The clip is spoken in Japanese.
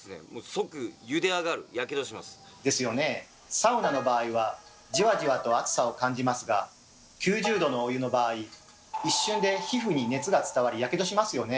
サウナの場合はじわじわと暑さを感じますが９０℃のお湯の場合一瞬で皮膚に熱が伝わりヤケドしますよね。